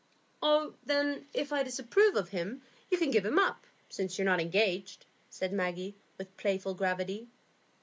"Oh, then, if I disapprove of him you can give him up, since you are not engaged," said Maggie, with playful gravity.